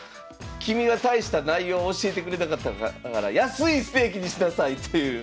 「君は大した内容を教えてくれなかったから安いステーキにしなさい」という。